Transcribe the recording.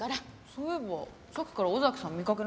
そういえばさっきから尾崎さん見かけないね。